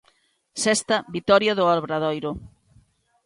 Sexta vitoria do Obradoiro.